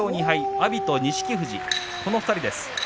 阿炎と錦富士、この２人です。